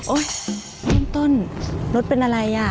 โอ๊ยชุมชนต้นรถเป็นอะไรอ่ะ